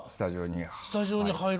スタジオに入る。